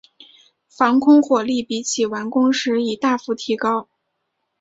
防空火力比起完工时已大幅提高。